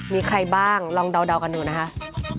มีใครบ้างลองเดากันดูนะคะ